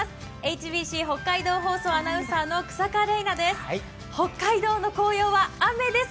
ＨＢＣ北海道放送アナウンサーの日下怜奈です。